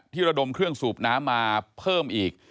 ระดมเครื่องสูบน้ำมาเพิ่มอีก